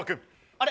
あれ？